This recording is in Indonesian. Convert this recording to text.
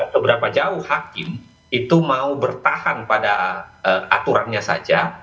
seberapa jauh hakim itu mau bertahan pada aturannya saja